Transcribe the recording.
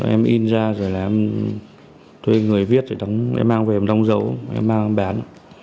em in ra rồi em thuê người viết để mang về một đông dấu em mang bán